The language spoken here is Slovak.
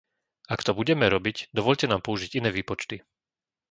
Ak to budeme robiť, dovoľte nám použiť iné výpočty.